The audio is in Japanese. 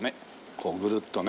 こうぐるっとね